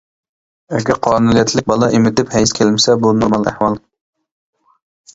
ئەگەر قانۇنىيەتلىك بالا ئېمىتىپ ھەيز كەلمىسە بۇ نورمال ئەھۋال.